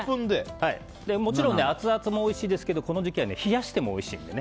もちろんアツアツもおいしいですけどこの時期は冷やしてもおいしいので。